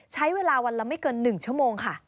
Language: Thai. ใช้เวลาวันละไม่เกิน๑ชั่วโมงค่ะ